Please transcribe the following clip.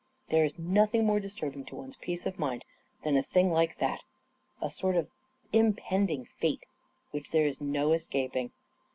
There is nothing more disturbing to one's peace of mind than a thing like that — a sort of impending fate which there is no escaping.